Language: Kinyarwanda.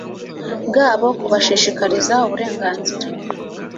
bwabo kubashishikariza uburenganzira